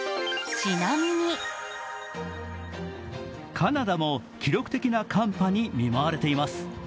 カナダも記録的な寒波に見舞われています。